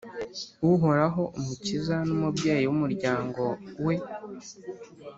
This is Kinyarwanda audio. uhoraho: umukiza n’umubyeyi w’umuryango we